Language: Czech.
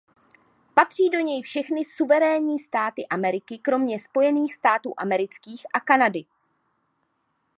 Patří do něj všechny suverénní státy Ameriky kromě Spojených států amerických a Kanady.